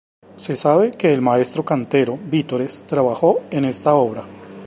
Se sabe que el maestro cantero Vítores trabajó en esta obra.